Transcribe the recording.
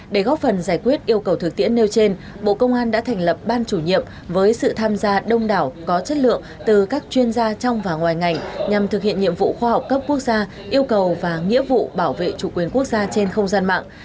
để góp phần giải quyết yêu cầu thực tiễn nêu trên bộ công an đã thành lập ban chủ nhiệm với sự tham gia đông đảo có chất lượng từ các chuyên gia trong và ngoài ngành nhằm thực hiện nhiệm vụ khoa học cấp quốc gia yêu cầu và nghĩa vụ bảo vệ chủ quyền quốc gia trên không gian mạng